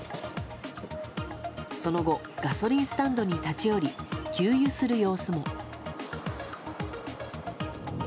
その後ガソリンスタンドに立ち寄り給油する様子も。